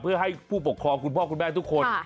เพื่อให้ผู้ปกครองคุณพ่อคุณแม่ทุกคน